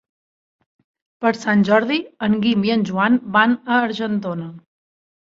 Per Sant Jordi en Guim i en Joan van a Argentona.